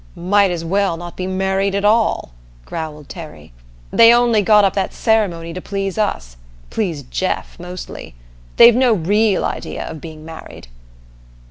"Might as well not be married at all," growled Terry. "They only got up that ceremony to please us please Jeff, mostly. They've no real idea of being married."